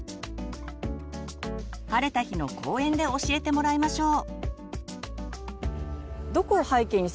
晴れた日の公園で教えてもらいましょう。